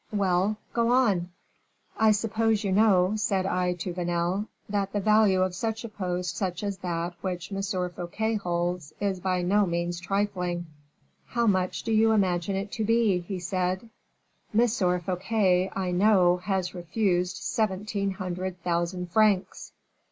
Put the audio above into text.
"Well, go on." "'I suppose you know,' said I to Vanel, 'that the value of a post such as that which M. Fouquet holds is by no means trifling.' "'How much do you imagine it to be?' he said. "'M. Fouquet, I know, has refused seventeen hundred thousand francs.